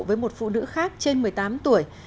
với một phụ nữ khác trên một mươi tám tuổi